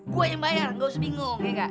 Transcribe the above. gue yang bayar gak usah bingung ya gak